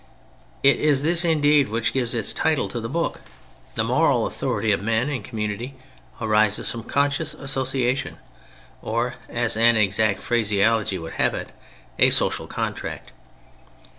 It is this indeed which gives its title to the book : the moral authority of men in community arises from conscious association ; or, as an exact phrase ology would have it, a " social contract."